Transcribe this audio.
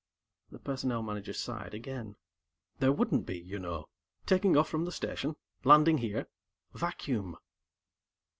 The Personnel Manager sighed again. "There wouldn't be, you know. Taking off from the Station, landing here vacuum."